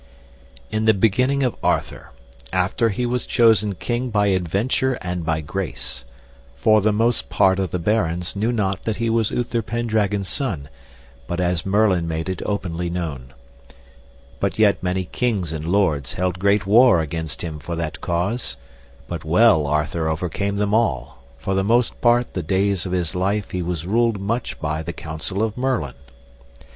In the beginning of Arthur, after he was chosen king by adventure and by grace; for the most part of the barons knew not that he was Uther Pendragon's son, but as Merlin made it openly known. But yet many kings and lords held great war against him for that cause, but well Arthur overcame them all, for the most part the days of his life he was ruled much by the counsel of Merlin.